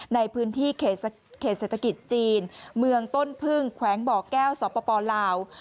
ในพื้นที่เขตเศรษฐกิจจีนเมืองต้นพึ่งแขวงบ่อแก้วสปลาว